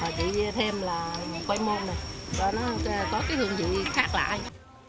rồi chị thêm là khoai môn này rồi nó có cái hương vị khác lại